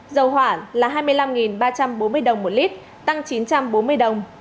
dầu hỏa là hai mươi năm ba trăm bốn mươi đồng một lít tăng chín trăm bốn mươi đồng